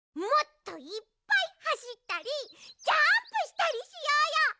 もっといっぱいはしったりジャンプしたりしようよ！